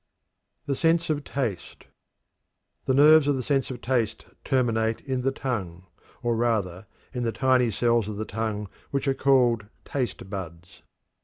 THE SENSE OF TASTE. The nerves of the sense of taste terminate in the tongue, or rather in the tiny cells of the tongue which are called "taste buds."